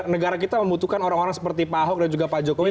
negara kita membutuhkan orang orang seperti pak ahok dan juga pak jokowi